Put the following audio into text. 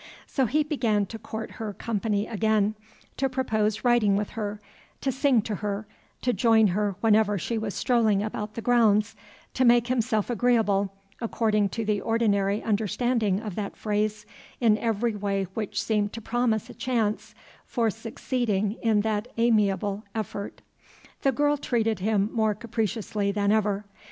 So he began to court her company again, to propose riding with her, to sing to her, to join her whenever she was strolling about the grounds, to make himself agreeable, according to the ordinary understanding of that phrase, in every way which seemed to promise a chance for succeeding in that amiable effort. The girl treated him more capriciously than ever.